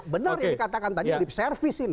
benar yang dikatakan tadi lip service ini